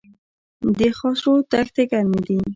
د خاشرود دښتې ګرمې دي